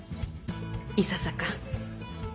いささか。